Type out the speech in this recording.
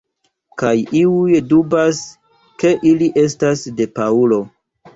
Kaj iuj dubas ke ili estas de Paŭlo.